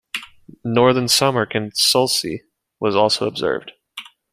Northern Samarkand Sulci was also observed.